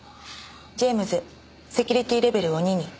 ジェームズセキュリティーレベルを２に。